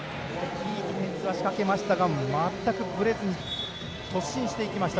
いいディフェンスは仕掛けましたが全くぶれずに突進していきました。